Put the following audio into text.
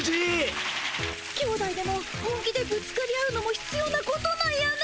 兄弟でも本気でぶつかり合うのもひつようなことなんやね。